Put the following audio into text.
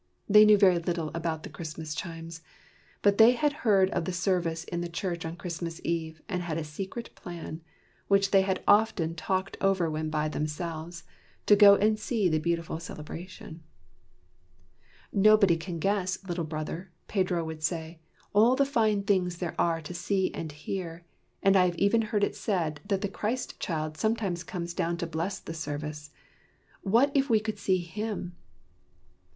They knew very little about the Christmas chimes, but they had heard of the service in the church on Christmas Eve, and had a secret plan, which they had often talked over when by themselves, to go to see the beautiful celebration. WHY THE CHIMES RANG "Nobody can guess, Little Brother," Pedro would say, "all the fine things there are to see and hear; and I have even heard it said that the Christ child sometimes comes down to bless the service. What if we could see Him?